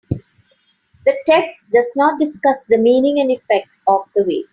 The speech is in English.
The text does not discuss the meaning and effect of the weights.